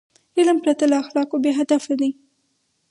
علم پرته له اخلاقو بېهدفه دی.